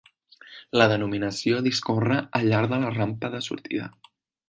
La denominació discorre al llarg de la rampa de sortida.